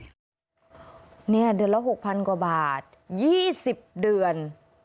๒๖๐๐๐กว่าบาท๒๐เดือน